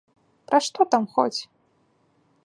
Пра што там хоць?